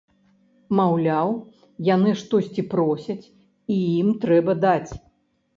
Маўляў, яны штосьці просяць, і ім трэба даць.